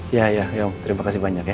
iya iya om terima kasih banyak ya